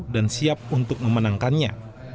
dan siap untuk memenangkannya